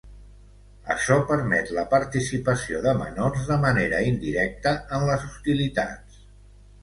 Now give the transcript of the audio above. Açò permet la participació de menors de manera indirecta en les hostilitats.